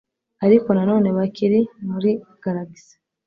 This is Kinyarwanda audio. ariko nanone bakiri muri galagisi